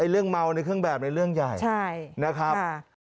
เรื่องเมาในเครื่องแบบในเรื่องใหญ่นะครับ